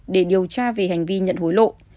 để điều tra về hành vi nhận hối lộ